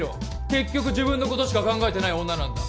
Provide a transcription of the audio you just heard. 結局自分のことしか考えてない女なんだ。